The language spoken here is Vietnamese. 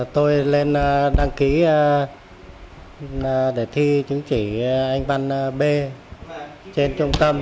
tôi lên đăng ký để thi chứng chỉ anh văn b trên trung tâm